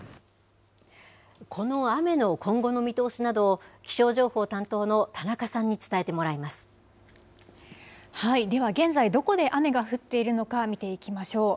この雨の今後の見通しなどを気象情報担当の田中さんに伝えてもらでは現在、どこで雨が降っているのか、見ていきましょう。